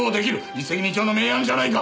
一石二鳥の名案じゃないか！